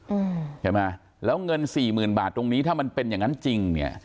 อืมใช่ไหมแล้วเงินสี่หมื่นบาทตรงนี้ถ้ามันเป็นอย่างงั้นจริงเนี้ย